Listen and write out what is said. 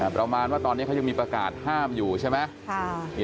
ประมาณว่าตอนนี้เขายังมีประกาศห้ามอยู่ใช่ไหม